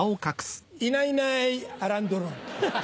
いないいないアラン・ドロン。